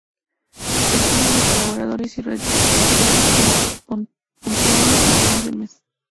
Sección donde colaboradores y redactores puntúan los estrenos del mes.